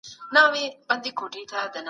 زرغون